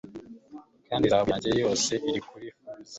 Kandi zahabu yanjye yose iri kuri furze